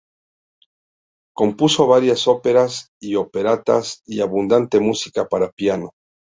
Compuso varias óperas y operetas y abundante música para piano.